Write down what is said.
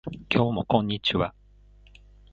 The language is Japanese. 今日もこんにちは